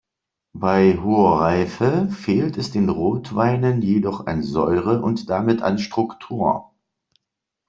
Bei hoher Reife fehlt es den Rotweinen jedoch an Säure und damit an Struktur.